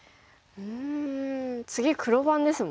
うん次黒番ですもんね。